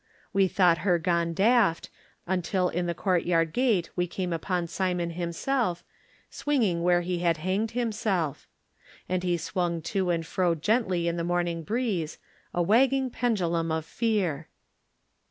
We thought her gone daft, imtil in the court yard gate we came upon Simon himself, swinging where he had hanged himself. And he swung to and fro gently in the morning breeze, a wagging pendulum of fear.